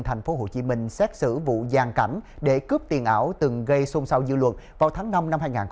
tp hcm xét xử vụ gian cảnh để cướp tiền ảo từng gây xôn xao dư luận vào tháng năm năm hai nghìn hai mươi ba